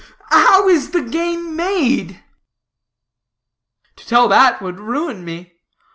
Ugh, ugh! How is the gain made?" "To tell that would ruin me.